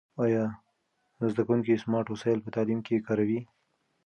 آیا زده کوونکي سمارټ وسایل په تعلیم کې کاروي؟